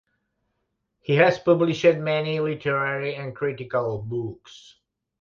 He has published many literary and critical books.